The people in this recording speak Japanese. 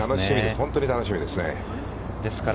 本当に楽しみですね。